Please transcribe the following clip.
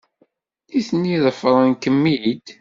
Nitni ḍefren-kem-id.